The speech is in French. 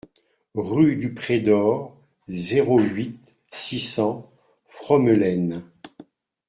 Rue du Pré d'Haurs, zéro huit, six cents Fromelennes